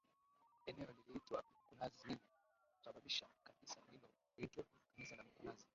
Eneo liliitwa Mkunazini na kusabibisha kanisa hilo kuitwa kanisa la mkunazini